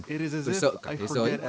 tôi sợ cả thế giới